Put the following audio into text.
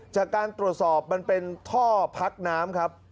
จากการตรวจสอบมันเป็นท่อพักน้ำครับ